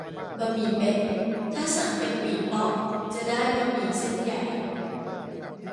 บะหมี่เป็ด ถ้าสั่งเป็นหมี่เป๊าะ จะได้บะหมี่เส้นใหญ่